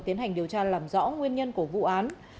tiến hành điều tra làm rõ nguyên nhân của vụ án